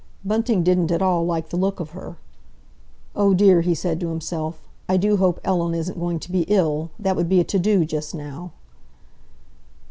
Bunting didn't at all like the look of her. "Oh, dear," he said to himself, "I do hope Ellen isn't going to be ill! That would be a to do just now."